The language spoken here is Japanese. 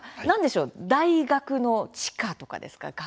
何でしょう大学の地下とかですか？